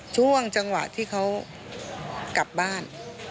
ช่วงจังหวะที่เขากลับบ้าน